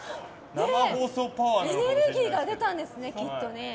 エネルギーが出たんですかね。